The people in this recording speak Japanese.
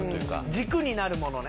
「軸になるものね」